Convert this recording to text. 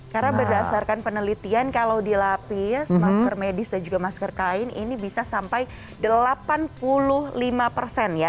karena berdasarkan penelitian kalau dilapis masker medis dan juga masker kain ini bisa sampai delapan puluh lima persen ya